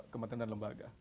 kematian dan lembaga